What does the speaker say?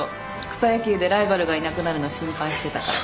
草野球でライバルがいなくなるの心配してたから。